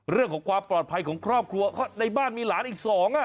เรื่องของปลอดภัยของครอบครัวในบ้านมีหลานอีกสอง